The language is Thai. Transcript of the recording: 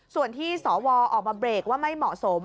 ส่วนที่สวออกมาเบรกว่าไม่เหมาะสม